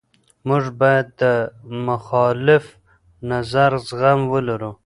موږ باید د مخالف نظر زغم ولرو.